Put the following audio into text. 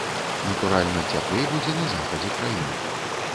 Натуральна, цяплей будзе на захадзе краіны.